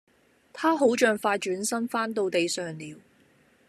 她好像快轉身翻到地上了